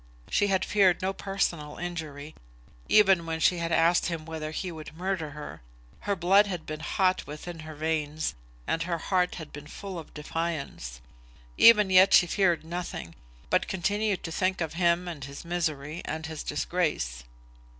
She had feared no personal injury, even when she had asked him whether he would murder her. Her blood had been hot within her veins, and her heart had been full of defiance. Even yet she feared nothing, but continued to think of him and his misery, and his disgrace.